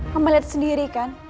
kamu lihat sendiri kan